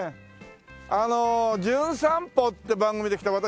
あの『じゅん散歩』って番組で来た私